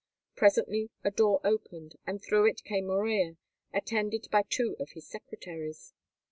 Presently a door opened, and through it came Morella, attended by two of his secretaries.